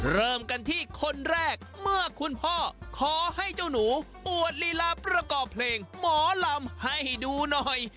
เริ่มกันที่คนแรกเมื่อคุณพ่อขอให้เจ้าหนูอวดลีลาประกอบเพลงหมอลำให้ดูหน่อย